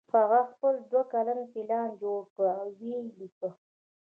هغه خپل دوه کلن پلان جوړ کړ او ویې لیکه